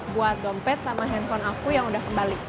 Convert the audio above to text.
buat dompet sama handphone aku yang udah kembali